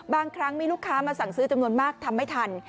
บางครั้งมีลูกค้ามาสั่งซื้อจำนวนมากทำไม่ทัน